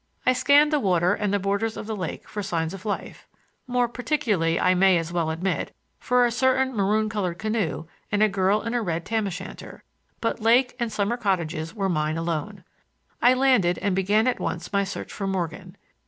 I scanned the water and the borders of the lake for signs of life,—more particularly, I may as well admit, for a certain maroon colored canoe and a girl in a red tam o' shanter, but lake and summer cottages were mine alone. I landed and began at once my search for Morgan.